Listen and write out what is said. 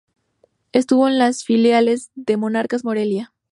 Estuvo en las filiales de Monarcas Morelia.